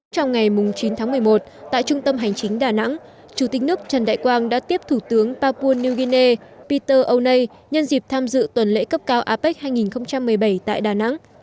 trong ngày chín tháng một mươi một tại trung tâm hành chính đà nẵng chủ tịch nước trần đại quang đã tiếp thủ tướng papua new guinea peter onei nhân dịp tham dự tuần lễ cấp cao apec hai nghìn một mươi bảy tại đà nẵng